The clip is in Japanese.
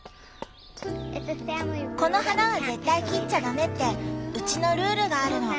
この花は絶対切っちゃダメってうちのルールがあるの。